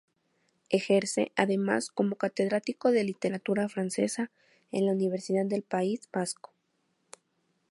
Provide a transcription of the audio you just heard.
Ejerce, además, como catedrático de literatura francesa en la Universidad del País Vasco.